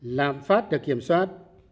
làm phát được kiểm soát